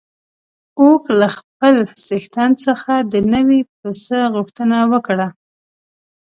اوښ له خپل څښتن څخه د نوي پسه غوښتنه وکړه.